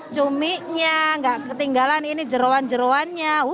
cuminya gak ketinggalan ini jeruan jeruannya